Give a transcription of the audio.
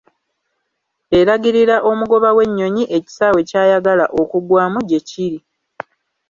Eragirira omugoba w'ennyonyi ekisaawe ky'ayagala okugwamu gye kiri.